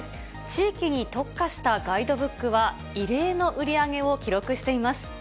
地域に特化したガイドブックは異例の売り上げを記録しています。